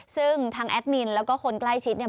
ซึ่งทางแอดมินแล้วก็คนใกล้ชิดเนี่ย